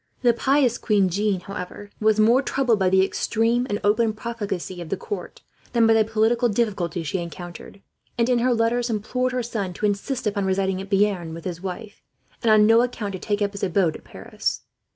The pious queen, however, was more troubled by the extreme and open profligacy of the court than by the political difficulties she encountered and, in her letters, implored her son to insist upon residing at Bearn with his wife, and on no account to take up his abode at Paris.